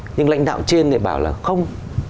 nhưng lãnh đạo trên thì bảo là không